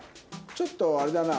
ちょっとあれだな。